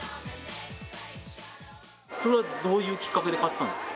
それはどういうきっかけで買ったんですか？